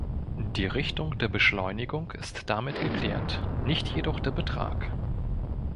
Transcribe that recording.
Die Richtung der Beschleunigung ist damit geklärt nicht jedoch der Betrag.